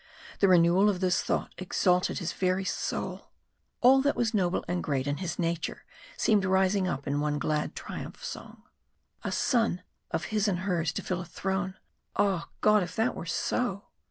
The renewal of this thought exalted his very soul. All that was noble and great in his nature seemed rising up in one glad triumph song. A son of his and hers to fill a throne! Ah! God, if that were so!